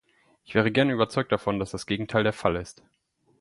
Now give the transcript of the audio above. Ich wäre gern überzeugt davon, dass das Gegenteil der Fall ist.